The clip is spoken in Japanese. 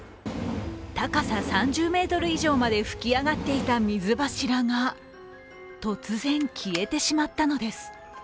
高さ３０ｍ以上まで噴き上がっていた水柱が突然、消えてしまったのです。